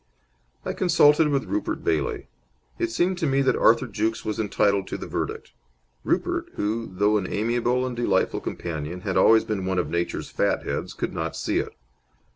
I consulted with Rupert Bailey. It seemed to me that Arthur Jukes was entitled to the verdict. Rupert, who, though an amiable and delightful companion, had always been one of Nature's fat heads, could not see it.